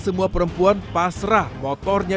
semua perempuan pasrah motornya